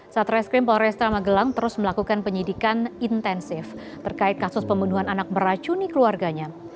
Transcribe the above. satu reskrim polres tamagelang terus melakukan penyidikan intensif terkait kasus pembunuhan anak meracuni keluarganya